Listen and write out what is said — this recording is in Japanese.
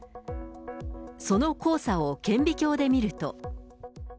その黄砂を顕微鏡で見ると。